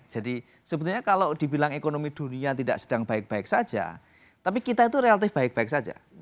jadi sebetulnya kalau dibilang ekonomi dunia tidak sedang baik baik saja tapi kita itu relatif baik baik saja